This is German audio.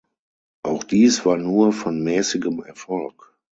Auch dies war nur von mäßigem Erfolg.